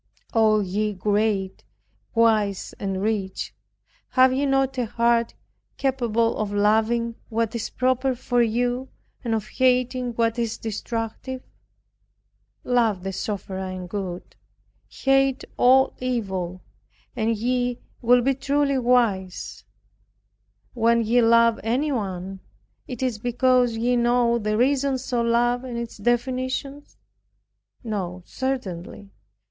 O ye great, wise and rich, have ye not a heart capable of loving what is proper for you and of hating what is destructive? Love the sovereign good, hate all evil, and ye will be truly wise. When ye love anyone, is it because ye know the reasons of love and its definitions? No, certainly.